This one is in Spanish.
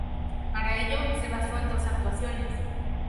Para ello, se basó en dos actuaciones.